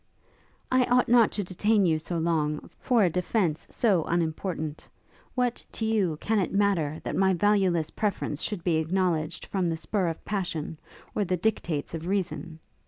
'I ought not to detain you so long, for a defence so unimportant. What, to you, can it matter, that my valueless preference should be acknowledged from the spur of passion, or the dictates of reason?